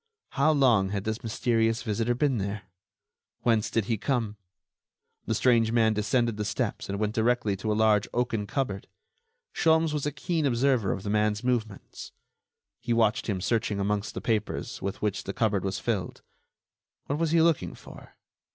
How long had this mysterious visitor been there? Whence did he come? The strange man descended the steps and went directly to a large oaken cupboard. Sholmes was a keen observer of the man's movements. He watched him searching amongst the papers with which the cupboard was filled. What was he looking for?